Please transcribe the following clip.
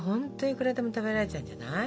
いくらでも食べられちゃうんじゃない？